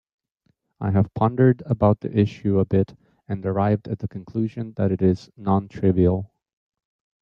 I have pondered about the issue a bit and arrived at the conclusion that it is non-trivial.